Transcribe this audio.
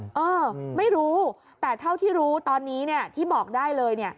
เออไม่รู้แต่เท่าที่รู้ตอนนี้ที่บอกได้เลยเนี่ย